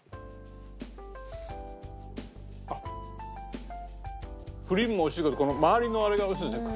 あっクリームも美味しいけどこの周りのあれが美味しいんですね